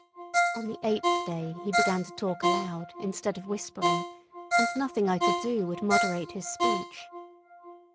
On the eighth day he began to talk aloud instead of whispering, and nothing I could do would moderate his speech.